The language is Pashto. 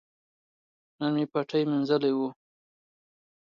نن مې پټی مینځلي وو.